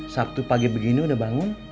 sabtu pagi begini udah bangun